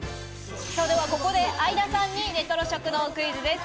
ではここで相田さんにレトロ食堂クイズです。